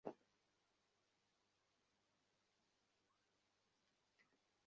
জানলার কাছে গিয়ে দেখলুম, তিনি ঘোড়া ছুটিয়ে দিয়ে চলে গেলেন।